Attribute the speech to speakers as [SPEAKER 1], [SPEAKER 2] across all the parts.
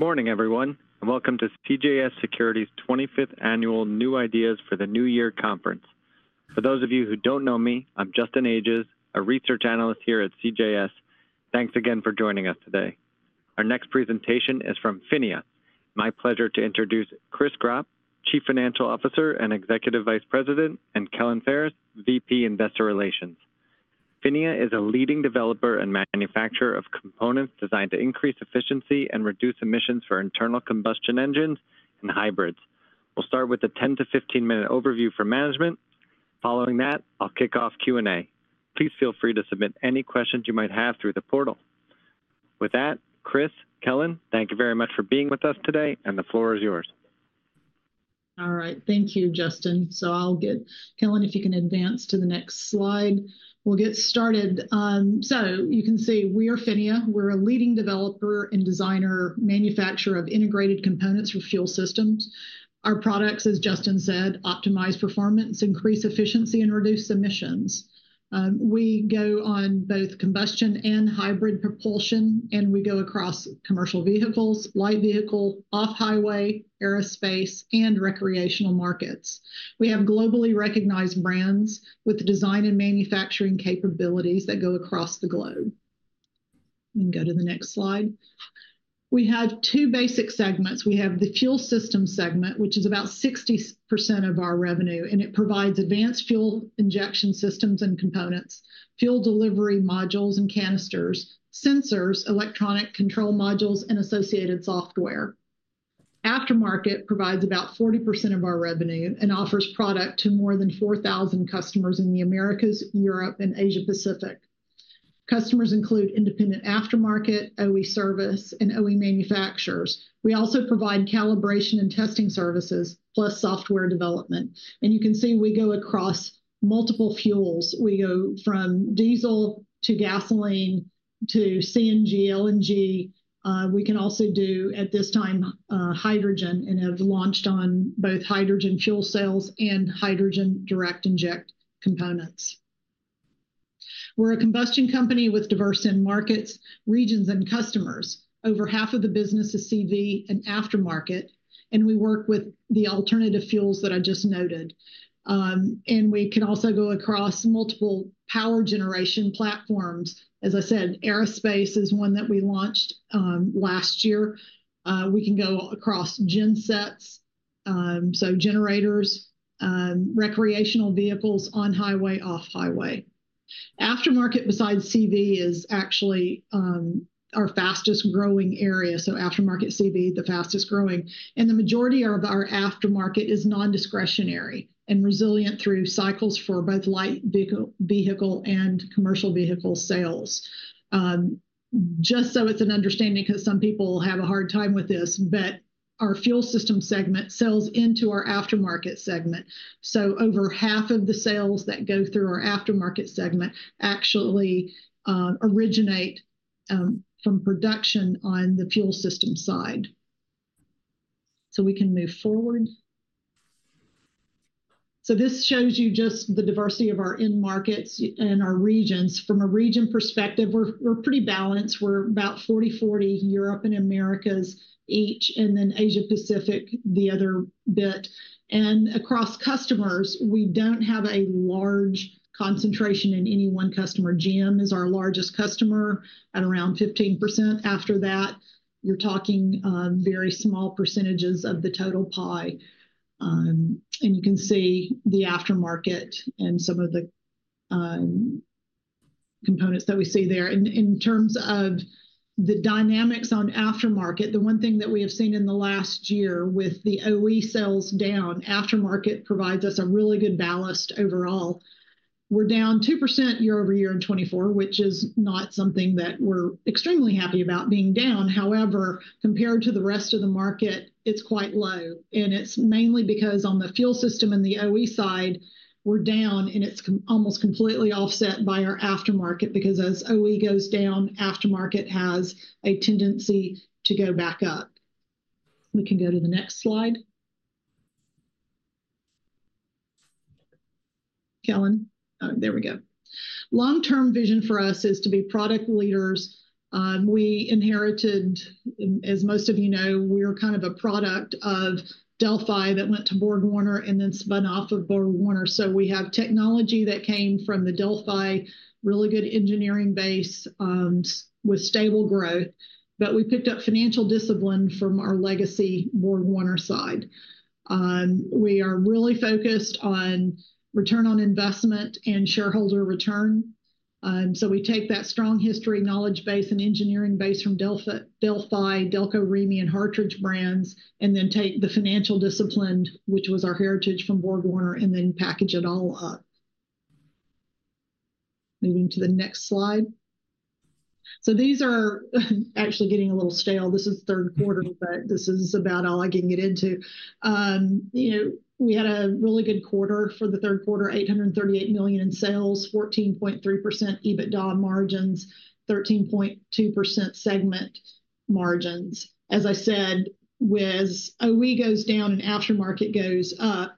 [SPEAKER 1] Good morning, everyone, and welcome to CJS Securities' 25th Annual New Ideas for the New Year Conference. For those of you who don't know me, I'm Justin Ages, a research analyst here at CJS. Thanks again for joining us today. Our next presentation is from PHINIA. My pleasure to introduce Chris Gropp, Chief Financial Officer and Executive Vice President, and Kellen Ferris, VP Investor Relations. PHINIA is a leading developer and manufacturer of components designed to increase efficiency and reduce emissions for internal combustion engines and hybrids. We'll start with a 10-15 minute overview for management. Following that, I'll kick off Q&A. Please feel free to submit any questions you might have through the portal. With that, Chris, Kellen, thank you very much for being with us today, and the floor is yours.
[SPEAKER 2] All right, thank you, Justin. So I'll get Kellen if you can advance to the next slide. We'll get started. So you can see we are PHINIA. We're a leading developer and designer manufacturer of integrated components for Fuel Systems. Our products, as Justin said, optimize performance, increase efficiency, and reduce emissions. We go on both combustion and hybrid propulsion, and we go across commercial vehicles, light vehicle, off-highway, aerospace, and recreational markets. We have globally recognized brands with design and manufacturing capabilities that go across the globe. We can go to the next slide. We have two basic segments. We have the Fuel System segment, which is about 60% of our revenue, and it provides advanced fuel injection systems and components, fuel delivery modules and canisters, sensors, electronic control modules, and associated software. Aftermarket provides about 40% of our revenue and offers product to more than 4,000 customers in the Americas, Europe, and Asia-Pacific. Customers include Independent Aftermarket, OE service, and OE manufacturers. We also provide calibration and testing services, plus software development. And you can see we go across multiple fuels. We go from diesel to gasoline to CNG, LNG. We can also do, at this time, hydrogen and have launched on both hydrogen fuel cells and hydrogen direct injection components. We're a combustion company with diverse end markets, regions, and customers. Over half of the business is CV and Aftermarket, and we work with the alternative fuels that I just noted. And we can also go across multiple power generation platforms. As I said, aerospace is one that we launched last year. We can go across gensets, so generators, recreational vehicles on-highway, off-highway. Aftermarket, besides CV, is actually our fastest growing area. So Aftermarket CV, the fastest growing. And the majority of our Aftermarket is non-discretionary and resilient through cycles for both light vehicle and commercial vehicle sales. Just so it's an understanding because some people have a hard time with this, but our Fuel System segment sells into our Aftermarket segment. So over half of the sales that go through our Aftermarket segment actually originate from production on the Fuel System side. So we can move forward. So this shows you just the diversity of our end markets and our regions. From a region perspective, we're pretty balanced. We're about 40/40, Europe and Americas each, and then Asia-Pacific the other bit. And across customers, we don't have a large concentration in any one customer. GM is our largest customer at around 15%. After that, you're talking very small percentages of the total pie, and you can see the Aftermarket and some of the components that we see there. In terms of the dynamics on Aftermarket, the one thing that we have seen in the last year with the OE sales down, Aftermarket provides us a really good ballast overall. We're down 2% year over year in 2024, which is not something that we're extremely happy about being down. However, compared to the rest of the market, it's quite low, and it's mainly because on the Fuel System and the OE side, we're down, and it's almost completely offset by our Aftermarket because as OE goes down, Aftermarket has a tendency to go back up. We can go to the next slide. Kellen?
[SPEAKER 3] There we go.
[SPEAKER 2] Long-term vision for us is to be product leaders. We inherited, as most of you know, we are kind of a product of Delphi that went to BorgWarner and then spun off of BorgWarner. So we have technology that came from the Delphi, really good engineering base with stable growth, but we picked up financial discipline from our legacy BorgWarner side. We are really focused on return on investment and shareholder return. So we take that strong history, knowledge base, and engineering base from Delphi, Delco Remy, and Hartridge brands, and then take the financial discipline, which was our heritage from BorgWarner, and then package it all up. Moving to the next slide. So these are actually getting a little stale. This is third quarter, but this is about all I can get into. We had a really good quarter for the third quarter, $838 million in sales, 14.3% EBITDA margins, 13.2% segment margins. As I said, as OE goes down and Aftermarket goes up,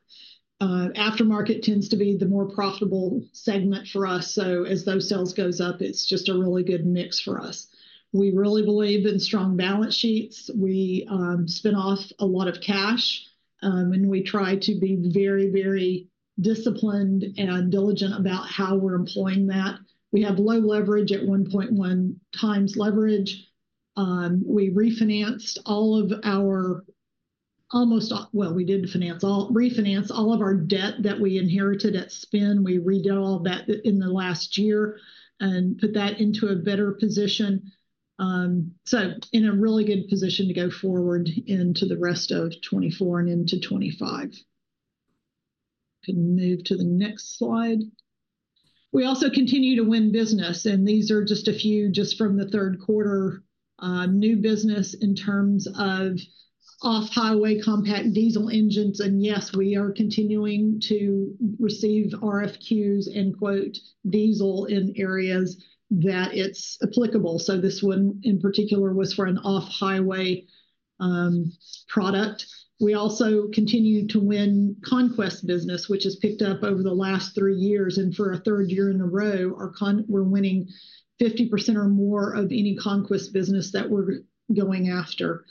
[SPEAKER 2] Aftermarket tends to be the more profitable segment for us. So as those sales go up, it's just a really good mix for us. We really believe in strong balance sheets. We spin off a lot of cash, and we try to be very, very disciplined and diligent about how we're employing that. We have low leverage at 1.1 times leverage. We refinanced all of our almost, well, we didn't finance all, refinance all of our debt that we inherited at spin. We redo all that in the last year and put that into a better position. So in a really good position to go forward into the rest of 2024 and into 2025. Can move to the next slide. We also continue to win business, and these are just a few just from the third quarter new business in terms of off-highway compact diesel engines, and yes, we are continuing to receive RFQs and quote diesel in areas that it's applicable, so this one in particular was for an off-highway product. We also continue to win conquest business, which has picked up over the last three years, and for a third year in a row, we're winning 50% or more of any conquest business that we're going after.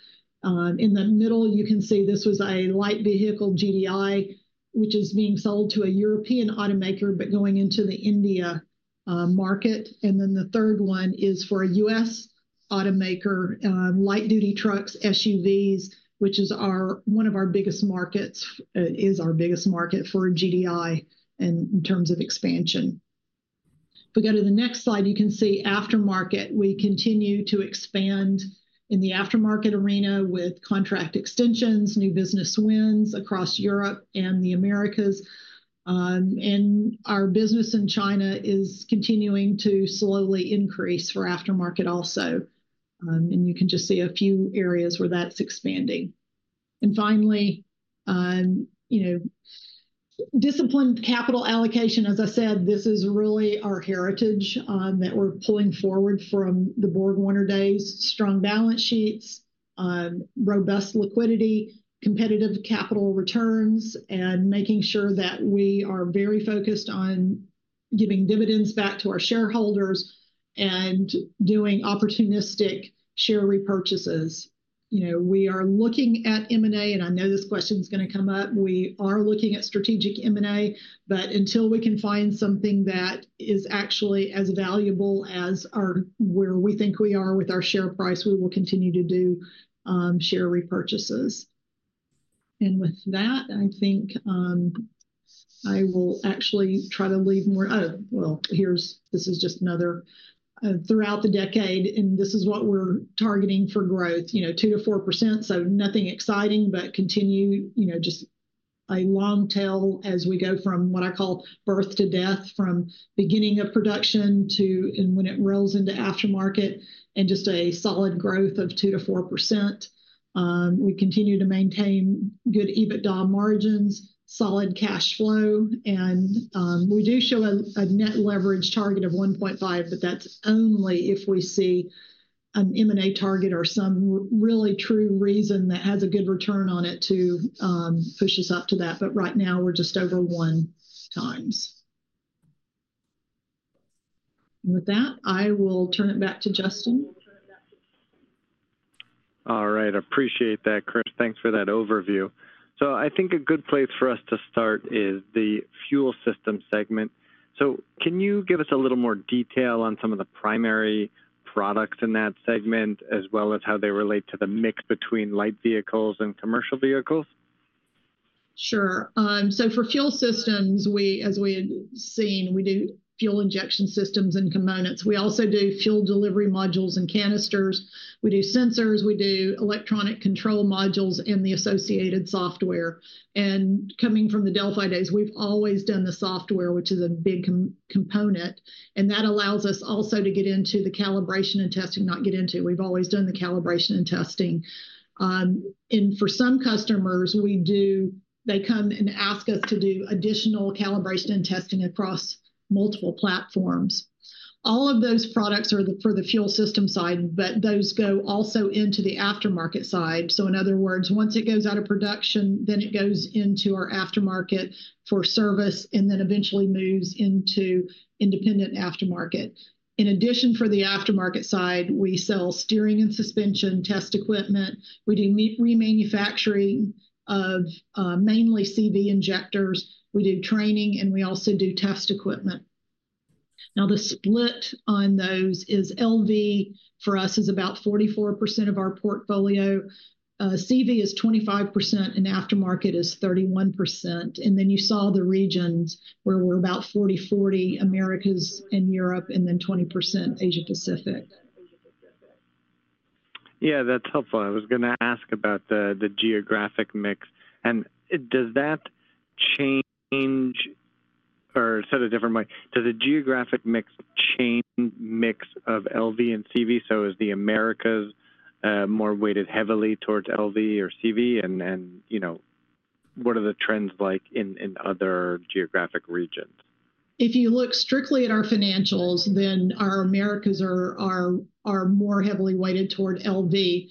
[SPEAKER 2] In the middle, you can see this was a light vehicle GDI, which is being sold to a European automaker, but going into the India market, and then the third one is for a U.S. automaker, light-duty trucks, SUVs, which is our one of our biggest markets, is our biggest market for GDI in terms of expansion. If we go to the next slide, you can see Aftermarket. We continue to expand in the Aftermarket arena with contract extensions, new business wins across Europe and the Americas. And our business in China is continuing to slowly increase for Aftermarket also. And you can just see a few areas where that's expanding. And finally, disciplined capital allocation. As I said, this is really our heritage that we're pulling forward from the BorgWarner days, strong balance sheets, robust liquidity, competitive capital returns, and making sure that we are very focused on giving dividends back to our shareholders and doing opportunistic share repurchases. We are looking at M&A, and I know this question's going to come up. We are looking at strategic M&A, but until we can find something that is actually as valuable as where we think we are with our share price, we will continue to do share repurchases and with that, I think I will actually try to leave more. This is just another throughout the decade, and this is what we're targeting for growth, 2%-4%. Nothing exciting, but continue just a long tail as we go from what I call birth to death, from beginning of production to when it rolls into Aftermarket, and just a solid growth of 2%-4%. We continue to maintain good EBITDA margins, solid cash flow, and we do show a net leverage target of 1.5x, but that's only if we see an M&A target or some really true reason that has a good return on it to push us up to that, but right now, we're just over 1x, and with that, I will turn it back to Justin.
[SPEAKER 1] All right. I appreciate that, Chris. Thanks for that overview. So I think a good place for us to start is the Fuel System segment. So can you give us a little more detail on some of the primary products in that segment, as well as how they relate to the mix between light vehicles and commercial vehicles?
[SPEAKER 2] Sure, so for Fuel Systems, as we had seen, we do fuel injection systems and components. We also do fuel delivery modules and canisters. We do sensors. We do electronic control modules and the associated software, and coming from the Delphi days, we've always done the software, which is a big component, and that allows us also to get into the calibration and testing, not get into. We've always done the calibration and testing, and for some customers, they come and ask us to do additional calibration and testing across multiple platforms. All of those products are for the Fuel System side, but those go also into the Aftermarket side, so in other words, once it goes out of production, then it goes into our Aftermarket for service and then eventually moves into independent Aftermarket. In addition, for the Aftermarket side, we sell steering and suspension test equipment. We do remanufacturing of mainly CV injectors. We do training, and we also do test equipment. Now, the split on those is LV for us is about 44% of our portfolio. CV is 25%, and Aftermarket is 31%. And then you saw the regions where we're about 40/40, Americas and Europe, and then 20% Asia-Pacific.
[SPEAKER 1] Yeah, that's helpful. I was going to ask about the geographic mix. And does that change or set a different mind? Does the geographic mix change mix of LV and CV? So is the Americas more weighted heavily towards LV or CV? And what are the trends like in other geographic regions?
[SPEAKER 2] If you look strictly at our financials, then our Americas are more heavily weighted toward LV.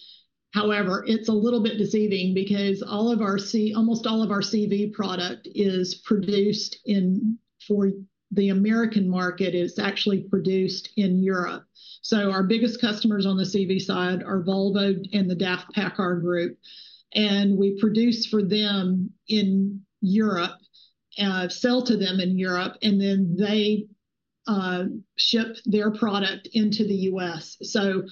[SPEAKER 2] However, it's a little bit deceiving because all of our CV, almost all of our CV product is produced in for the American market, is actually produced in Europe. So our biggest customers on the CV side are Volvo and the DAF PACCAR Group. And we produce for them in Europe, sell to them in Europe, and then they ship their product into the U.S. So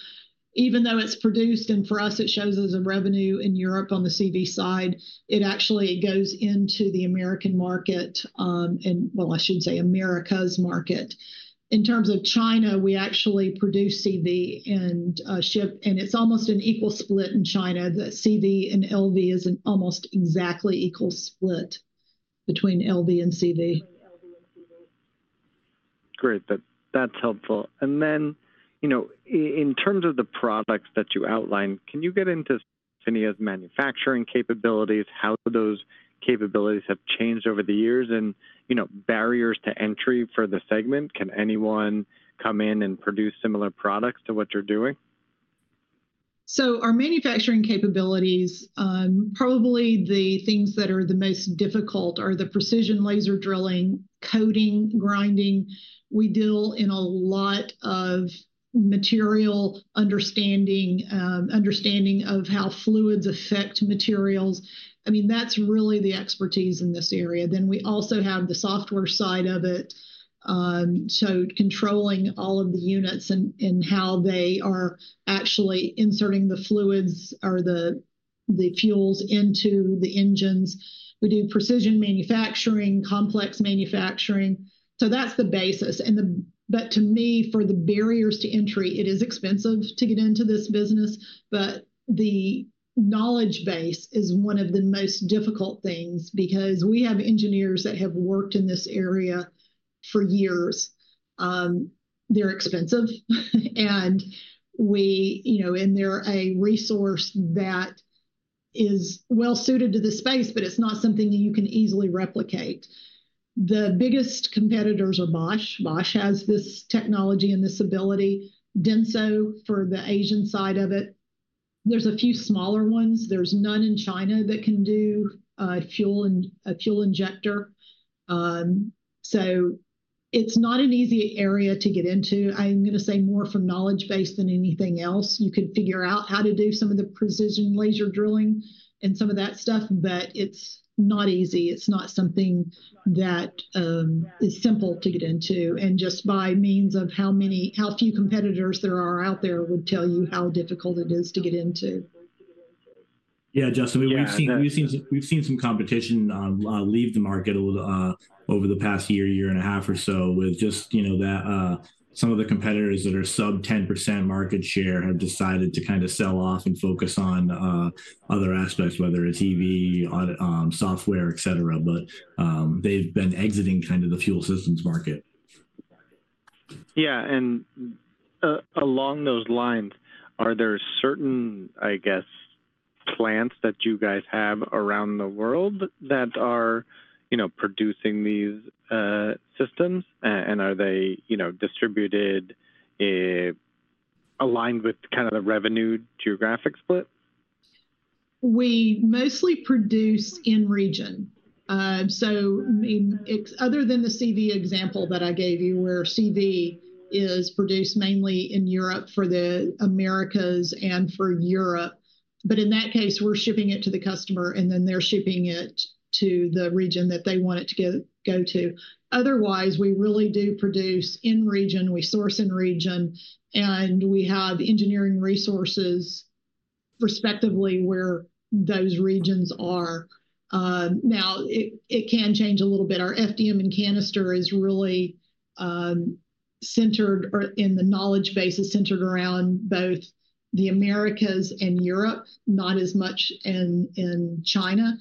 [SPEAKER 2] even though it's produced and for us, it shows as a revenue in Europe on the CV side, it actually goes into the American market and, well, I should say America's market. In terms of China, we actually produce CV and ship, and it's almost an equal split in China. The CV and LV is an almost exactly equal split between LV and CV.
[SPEAKER 1] Great. That's helpful. And then in terms of the products that you outlined, can you get into PHINIA's manufacturing capabilities, how those capabilities have changed over the years and barriers to entry for the segment? Can anyone come in and produce similar products to what you're doing?
[SPEAKER 2] Our manufacturing capabilities, probably the things that are the most difficult, are the precision laser drilling, coating, grinding. We deal in a lot of material understanding, understanding of how fluids affect materials. I mean, that's really the expertise in this area. Then we also have the software side of it, so controlling all of the units and how they are actually inserting the fluids or the fuels into the engines. We do precision manufacturing, complex manufacturing, so that's the basis. But to me, for the barriers to entry, it is expensive to get into this business, but the knowledge base is one of the most difficult things because we have engineers that have worked in this area for years. They're expensive, and they're a resource that is well suited to the space, but it's not something you can easily replicate. The biggest competitors are Bosch. Bosch has this technology and this ability. Denso for the Asian side of it. There's a few smaller ones. There's none in China that can do a fuel injector. So it's not an easy area to get into. I'm going to say more from knowledge base than anything else. You could figure out how to do some of the precision laser drilling and some of that stuff, but it's not easy. It's not something that is simple to get into. And just by means of how few competitors there are out there would tell you how difficult it is to get into.
[SPEAKER 3] Yeah, Justin, we've seen some competition leave the market over the past year, year and a half or so with just some of the competitors that are sub 10% market share have decided to kind of sell off and focus on other aspects, whether it's EV, software, etc. But they've been exiting kind of the Fuel Systems market.
[SPEAKER 1] Yeah. And along those lines, are there certain, I guess, plants that you guys have around the world that are producing these systems? And are they distributed aligned with kind of the revenue geographic split?
[SPEAKER 2] We mostly produce in region. Other than the CV example that I gave you where CV is produced mainly in Europe for the Americas and for Europe, but in that case, we're shipping it to the customer, and then they're shipping it to the region that they want it to go to. Otherwise, we really do produce in region. We source in region, and we have engineering resources respectively where those regions are. Now, it can change a little bit. Our FDM and canister is really centered in the knowledge base, is centered around both the Americas and Europe, not as much in China.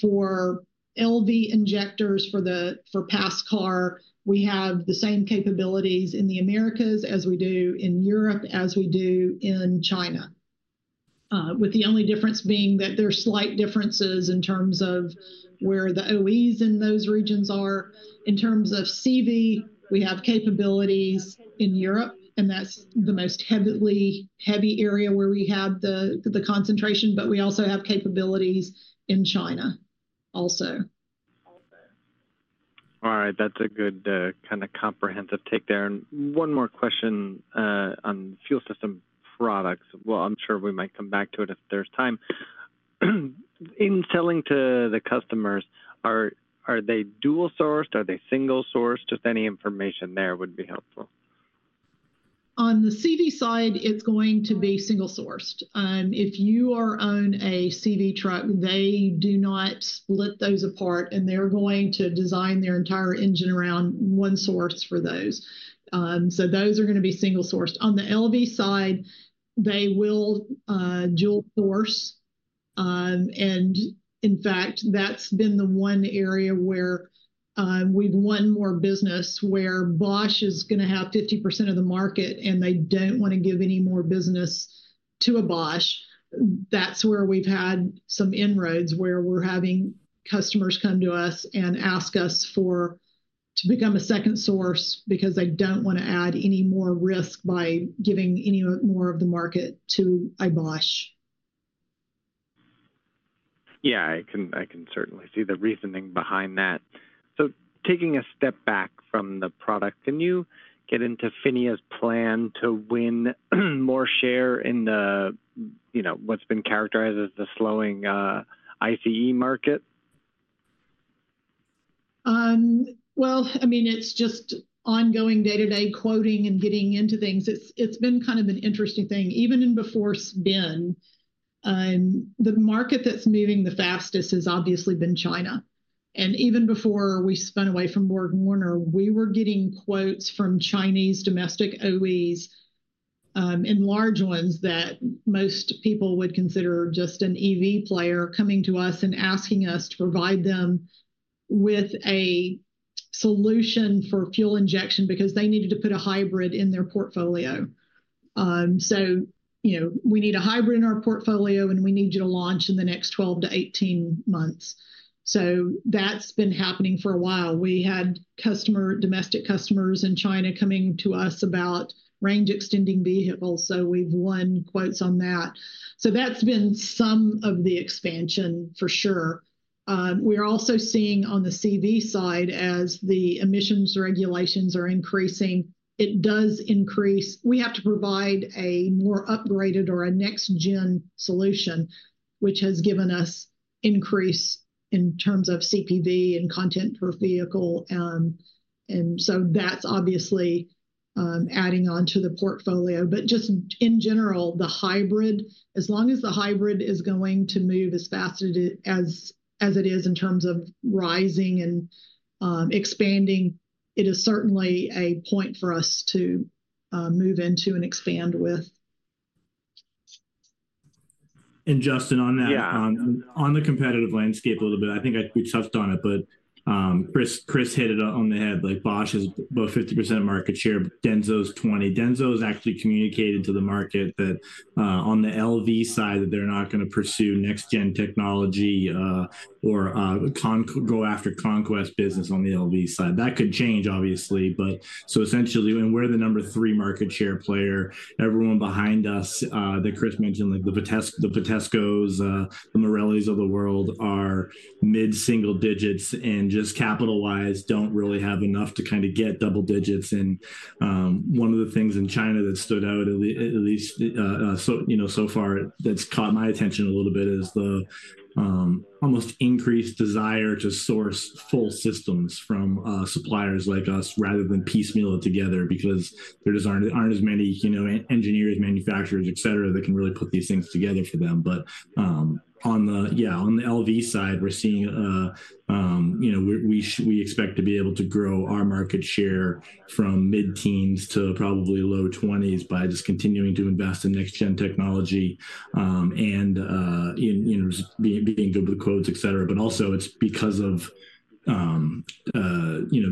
[SPEAKER 2] For LV injectors for passenger car, we have the same capabilities in the Americas as we do in Europe, as we do in China, with the only difference being that there are slight differences in terms of where the OEs in those regions are. In terms of CV, we have capabilities in Europe, and that's the most heavily heavy area where we have the concentration, but we also have capabilities in China also.
[SPEAKER 1] All right. That's a good kind of comprehensive take there, and one more question on Fuel System products. Well, I'm sure we might come back to it if there's time. In selling to the customers, are they dual sourced? Are they single sourced? Just any information there would be helpful.
[SPEAKER 2] On the CV side, it's going to be single sourced. If you are on a CV truck, they do not split those apart, and they're going to design their entire engine around one source for those. So those are going to be single sourced. On the LV side, they will dual source. And in fact, that's been the one area where we've won more business where Bosch is going to have 50% of the market, and they don't want to give any more business to a Bosch. That's where we've had some inroads where we're having customers come to us and ask us to become a second source because they don't want to add any more risk by giving any more of the market to a Bosch.
[SPEAKER 1] Yeah, I can certainly see the reasoning behind that. So taking a step back from the product, can you get into PHINIA's plan to win more share in what's been characterized as the slowing ICE market?
[SPEAKER 2] Well, I mean, it's just ongoing day-to-day quoting and getting into things. It's been kind of an interesting thing. Even before it's been, the market that's moving the fastest has obviously been China. And even before we spun away from BorgWarner, we were getting quotes from Chinese domestic OEs and large ones that most people would consider just an EV player coming to us and asking us to provide them with a solution for fuel injection because they needed to put a hybrid in their portfolio. So we need a hybrid in our portfolio, and we need you to launch in the next 12-18 months. So that's been happening for a while. We had domestic customers in China coming to us about range-extending vehicles. So we've won quotes on that. So that's been some of the expansion, for sure. We are also seeing on the CV side, as the emissions regulations are increasing, it does increase. We have to provide a more upgraded or a next-gen solution, which has given us increase in terms of CPV and content per vehicle. And so that's obviously adding on to the portfolio. But just in general, the hybrid, as long as the hybrid is going to move as fast as it is in terms of rising and expanding, it is certainly a point for us to move into and expand with.
[SPEAKER 3] Justin, on that, on the competitive landscape a little bit, I think we touched on it, but Chris hit it on the head. Bosch has about 50% market share. Denso's 20%. Denso has actually communicated to the market that on the LV side that they're not going to pursue next-gen technology or go after conquest business on the LV side. That could change, obviously. So essentially, we're the number three market share player. Everyone behind us that Chris mentioned, like the Vitescos, the Marellis of the world, are mid-single digits and just capital-wise don't really have enough to kind of get double digits. One of the things in China that stood out, at least so far, that's caught my attention a little bit is the almost increased desire to source full systems from suppliers like us rather than piecemeal it together because there aren't as many engineers, manufacturers, etc., that can really put these things together for them. But yeah, on the LV side, we're seeing we expect to be able to grow our market share from mid-teens to probably low 20s by just continuing to invest in next-gen technology and being good with quotes, etc. But also it's because of Denso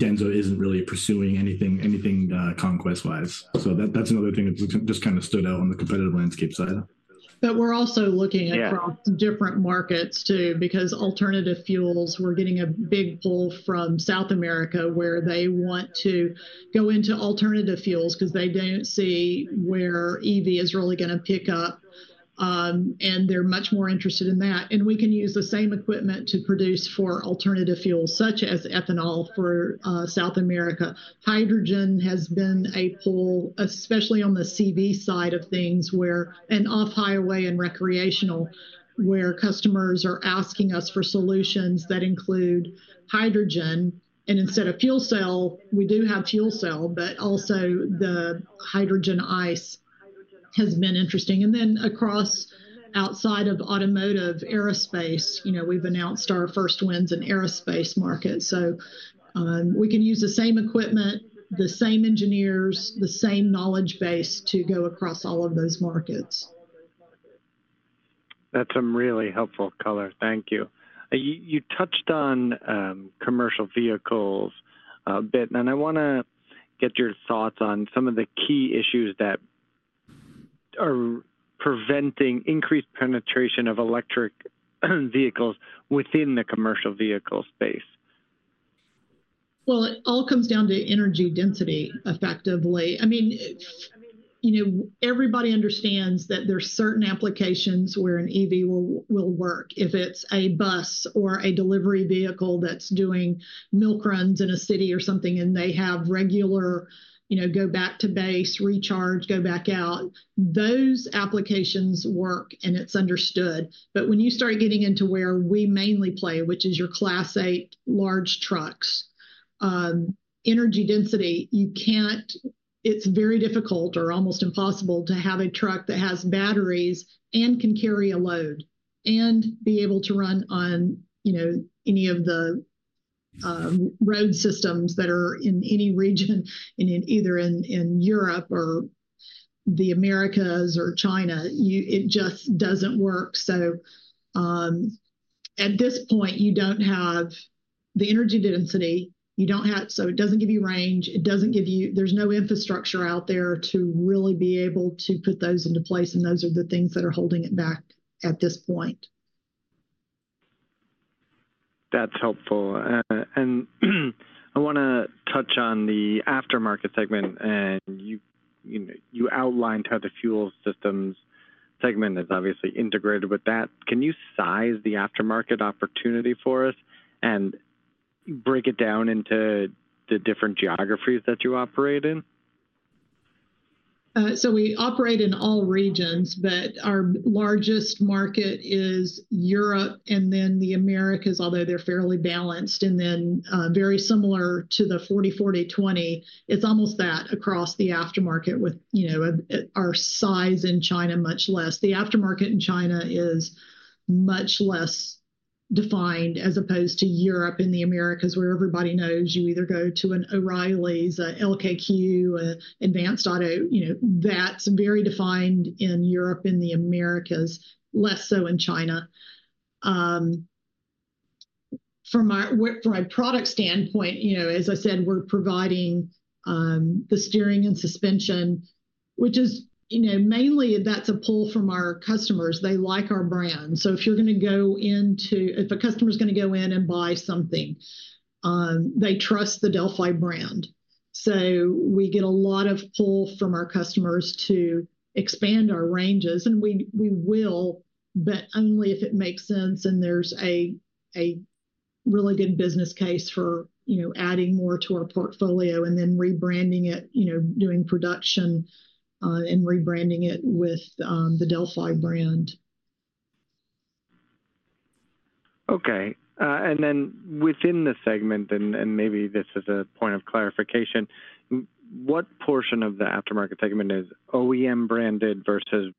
[SPEAKER 3] isn't really pursuing anything conquest-wise. So that's another thing that just kind of stood out on the competitive landscape side.
[SPEAKER 2] But we're also looking at different markets too because alternative fuels. We're getting a big pull from South America where they want to go into alternative fuels because they don't see where EV is really going to pick up. And they're much more interested in that. And we can use the same equipment to produce for alternative fuels such as ethanol for South America. Hydrogen has been a pull, especially on the CV side of things, off-highway and recreational, where customers are asking us for solutions that include hydrogen. And instead of fuel cell, we do have fuel cell, but also the hydrogen ICE has been interesting. And then, outside of automotive, aerospace. We've announced our first wins in the aerospace market. So we can use the same equipment, the same engineers, the same knowledge base to go across all of those markets.
[SPEAKER 1] That's some really helpful color. Thank you. You touched on commercial vehicles a bit, and I want to get your thoughts on some of the key issues that are preventing increased penetration of electric vehicles within the commercial vehicle space.
[SPEAKER 2] It all comes down to energy density, effectively. I mean, everybody understands that there are certain applications where an EV will work. If it's a bus or a delivery vehicle that's doing milk runs in a city or something and they have regular go back to base, recharge, go back out, those applications work and it's understood. When you start getting into where we mainly play, which is your Class 8 large trucks, energy density, it's very difficult or almost impossible to have a truck that has batteries and can carry a load and be able to run on any of the road systems that are in any region, either in Europe or the Americas or China. It just doesn't work. At this point, you don't have the energy density. You don't have it. It doesn't give you range. It doesn't give you. There's no infrastructure out there to really be able to put those into place, and those are the things that are holding it back at this point.
[SPEAKER 1] That's helpful. And I want to touch on the Aftermarket segment. And you outlined how the Fuel Systems segment is obviously integrated with that. Can you size the Aftermarket opportunity for us and break it down into the different geographies that you operate in?
[SPEAKER 2] So we operate in all regions, but our largest market is Europe and then the Americas, although they're fairly balanced and then very similar to the 40/40/20. It's almost that across the Aftermarket with our size in China, much less. The Aftermarket in China is much less defined as opposed to Europe and the Americas where everybody knows you either go to an O'Reilly's, a LKQ, an Advance Auto. That's very defined in Europe and the Americas, less so in China. From a product standpoint, as I said, we're providing the steering and suspension, which is mainly that's a pull from our customers. They like our brand. So if you're going to go into if a customer is going to go in and buy something, they trust the Delphi brand. So we get a lot of pull from our customers to expand our ranges. And we will, but only if it makes sense and there's a really good business case for adding more to our portfolio and then rebranding it, doing production and rebranding it with the Delphi brand.
[SPEAKER 1] Okay. And then within the segment, and maybe this is a point of clarification, what portion of the Aftermarket segment is OEM branded versus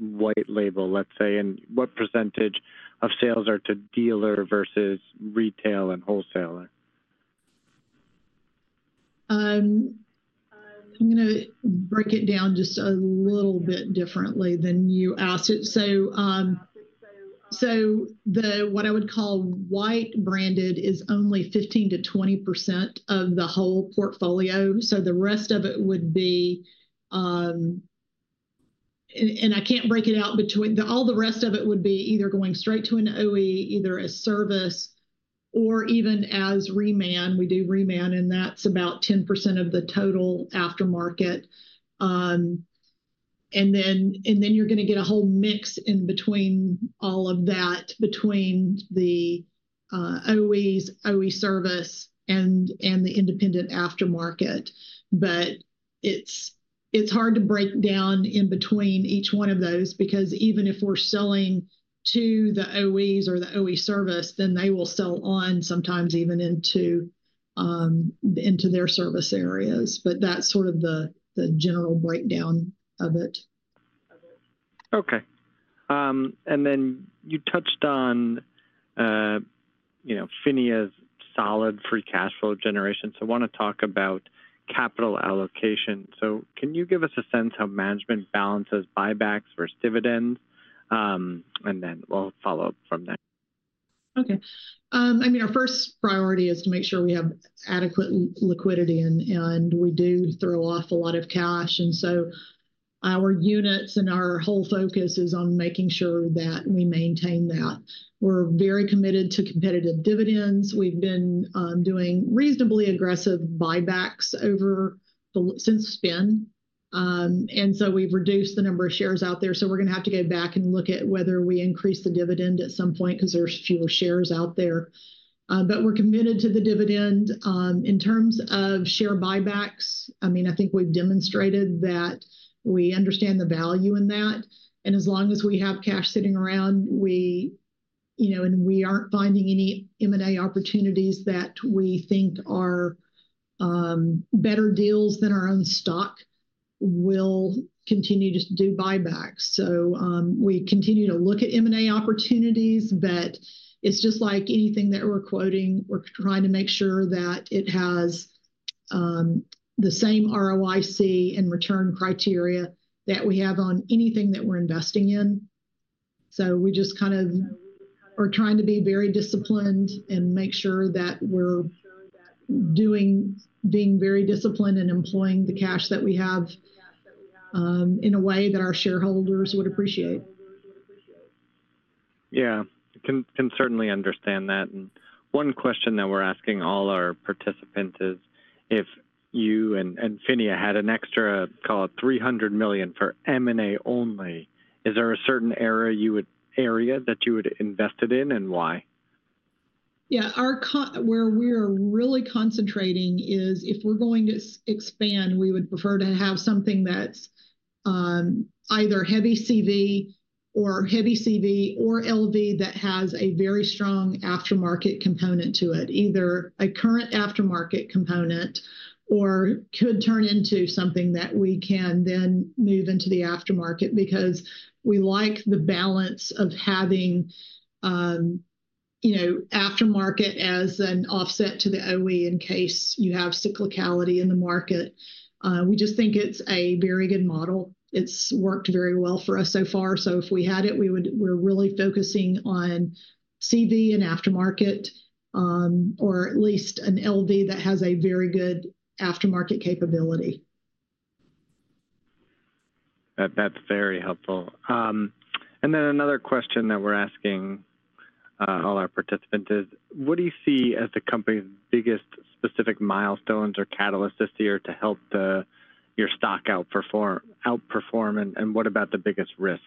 [SPEAKER 1] white label, let's say, and what percentage of sales are to dealer versus retail and wholesaler?
[SPEAKER 2] I'm going to break it down just a little bit differently than you asked it. So what I would call white branded is only 15%-20% of the whole portfolio. So the rest of it would be, and I can't break it out between all. The rest of it would be either going straight to an OE, either a service, or even as reman. We do reman, and that's about 10% of the total Aftermarket. And then you're going to get a whole mix in between all of that between the OEs, OE service, and the Independent Aftermarket. But it's hard to break down in between each one of those because even if we're selling to the OEs or the OE service, then they will sell on sometimes even into their service areas. But that's sort of the general breakdown of it.
[SPEAKER 1] Okay. And then you touched on PHINIA's solid free cash flow generation. So I want to talk about capital allocation. So can you give us a sense of how management balances buybacks versus dividends? And then we'll follow up from there.
[SPEAKER 2] Okay. I mean, our first priority is to make sure we have adequate liquidity, and we do throw off a lot of cash, and so our units and our whole focus is on making sure that we maintain that. We're very committed to competitive dividends. We've been doing reasonably aggressive buybacks over since spin, and so we've reduced the number of shares out there, so we're going to have to go back and look at whether we increase the dividend at some point because there's fewer shares out there, but we're committed to the dividend. In terms of share buybacks, I mean, I think we've demonstrated that we understand the value in that, and as long as we have cash sitting around and we aren't finding any M&A opportunities that we think are better deals than our own stock, we'll continue to do buybacks. So we continue to look at M&A opportunities, but it's just like anything that we're quoting, we're trying to make sure that it has the same ROIC and return criteria that we have on anything that we're investing in. So we just kind of are trying to be very disciplined and make sure that we're being very disciplined and employing the cash that we have in a way that our shareholders would appreciate.
[SPEAKER 1] Yeah. I can certainly understand that. And one question that we're asking all our participants is if you and PHINIA had an extra, call it $300 million for M&A only, is there a certain area that you would invest it in and why?
[SPEAKER 2] Yeah. Where we're really concentrating is if we're going to expand, we would prefer to have something that's either heavy CV or LV that has a very strong Aftermarket component to it, either a current Aftermarket component or could turn into something that we can then move into the Aftermarket because we like the balance of having Aftermarket as an offset to the OE in case you have cyclicality in the market. We just think it's a very good model. It's worked very well for us so far. So if we had it, we're really focusing on CV and Aftermarket or at least an LV that has a very good Aftermarket capability.
[SPEAKER 1] That's very helpful, and then another question that we're asking all our participants is, what do you see as the company's biggest specific milestones or catalysts this year to help your stock outperform? And what about the biggest risks?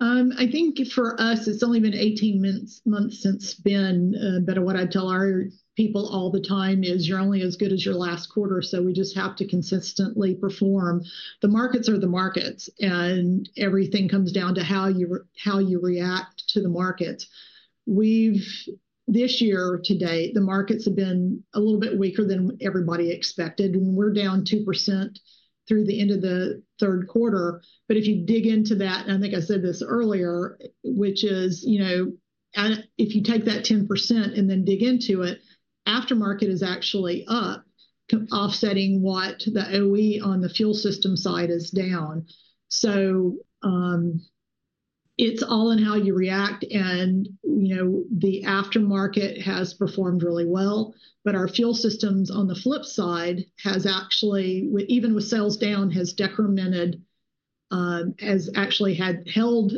[SPEAKER 2] I think for us, it's only been 18 months since spin. But what I tell our people all the time is you're only as good as your last quarter. So we just have to consistently perform. The markets are the markets, and everything comes down to how you react to the markets. This year to date, the markets have been a little bit weaker than everybody expected. And we're down 2% through the end of the third quarter. But if you dig into that, and I think I said this earlier, which is if you take that 10% and then dig into it, Aftermarket is actually up, offsetting what the OE on the Fuel System side is down. So it's all in how you react. And the Aftermarket has performed really well. But our Fuel Systems, on the flip side, has actually, even with sales down, held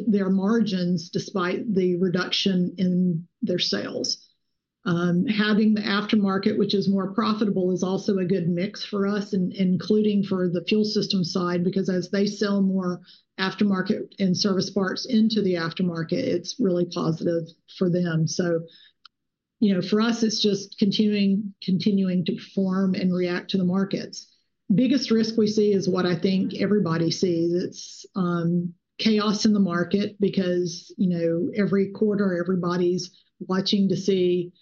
[SPEAKER 2] their margins despite the reduction in their sales. Having the Aftermarket, which is more profitable, is also a good mix for us, including for the Fuel System side because as they sell more Aftermarket and service parts into the Aftermarket, it's really positive for them. So for us, it's just continuing to perform and react to the markets. Biggest risk we see is what I think everybody sees. It's chaos in the market because every quarter, everybody's watching to see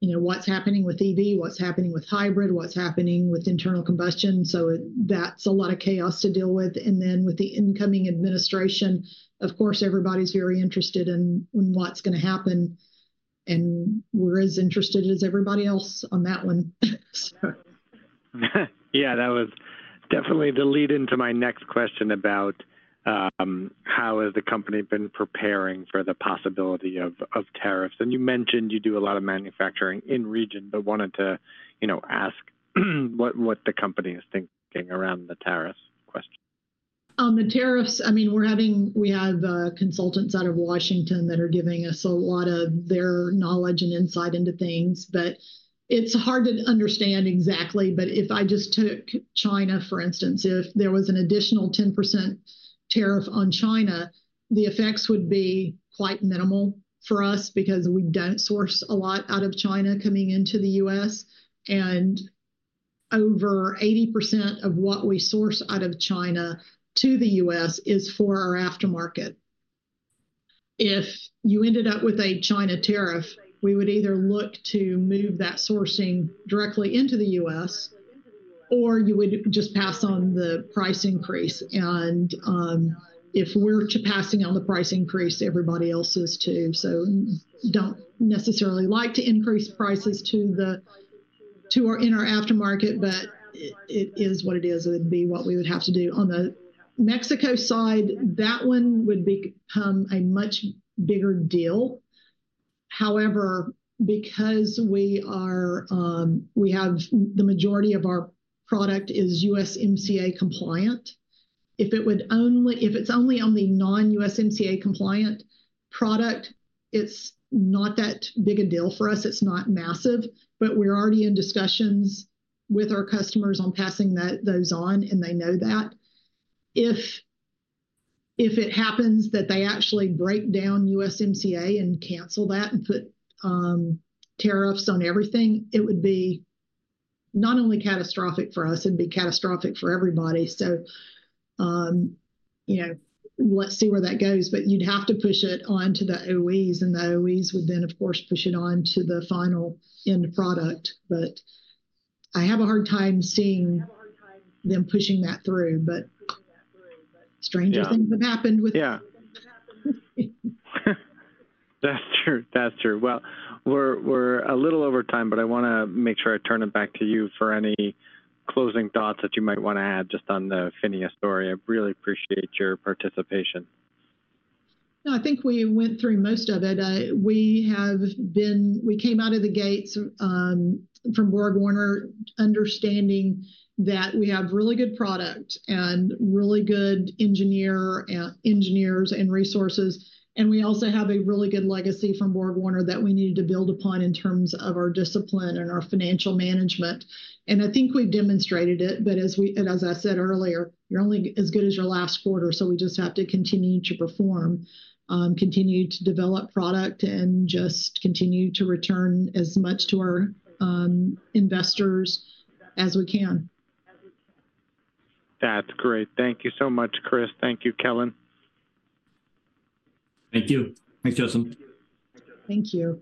[SPEAKER 2] what's happening with EV, what's happening with hybrid, what's happening with internal combustion. So that's a lot of chaos to deal with. And then with the incoming administration, of course, everybody's very interested in what's going to happen. And we're as interested as everybody else on that one.
[SPEAKER 1] Yeah. That was definitely the lead into my next question about how has the company been preparing for the possibility of tariffs. And you mentioned you do a lot of manufacturing in region, but wanted to ask what the company is thinking around the tariffs question.
[SPEAKER 2] On the tariffs, I mean, we have consultants out of Washington that are giving us a lot of their knowledge and insight into things. But it's hard to understand exactly. But if I just took China, for instance, if there was an additional 10% tariff on China, the effects would be quite minimal for us because we don't source a lot out of China coming into the U.S. And over 80% of what we source out of China to the U.S. is for our Aftermarket. If you ended up with a China tariff, we would either look to move that sourcing directly into the U.S., or you would just pass on the price increase. And if we're passing on the price increase, everybody else is too. So don't necessarily like to increase prices to our Aftermarket, but it is what it is. It would be what we would have to do. On the Mexico side, that one would become a much bigger deal. However, because we have the majority of our product is USMCA compliant, if it's only on the non-USMCA compliant product, it's not that big a deal for us. It's not massive. But we're already in discussions with our customers on passing those on, and they know that. If it happens that they actually break down USMCA and cancel that and put tariffs on everything, it would be not only catastrophic for us, it'd be catastrophic for everybody. So let's see where that goes. But you'd have to push it onto the OEs, and the OEs would then, of course, push it on to the final end product. But I have a hard time seeing them pushing that through. But stranger things have happened with.
[SPEAKER 1] Yeah. That's true. That's true. Well, we're a little over time, but I want to make sure I turn it back to you for any closing thoughts that you might want to add just on the PHINIA story. I really appreciate your participation.
[SPEAKER 2] I think we went through most of it. We came out of the gates from BorgWarner understanding that we have really good product and really good engineers and resources. And we also have a really good legacy from BorgWarner that we needed to build upon in terms of our discipline and our financial management. And I think we've demonstrated it. But as I said earlier, you're only as good as your last quarter. So we just have to continue to perform, continue to develop product, and just continue to return as much to our investors as we can.
[SPEAKER 1] That's great. Thank you so much, Chris. Thank you, Kellen.
[SPEAKER 3] Thank you. Thanks, Justin
[SPEAKER 2] Thank you.